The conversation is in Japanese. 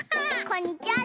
こんにちは！